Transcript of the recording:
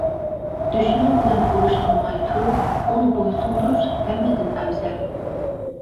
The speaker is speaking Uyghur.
دۈشمەن بىلەن ئۇرۇش قىلماي تۇرۇپ ئۇنى بويسۇندۇرۇش ھەممىدىن ئەۋزەل.